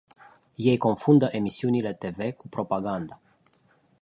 Ei confundă emisiunile te ve cu propaganda.